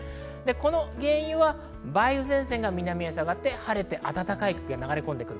原因は梅雨前線が南へ下がって晴れて、暖かい空気が流れ込んでくる。